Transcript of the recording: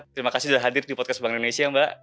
terima kasih sudah hadir di podcast bank indonesia mbak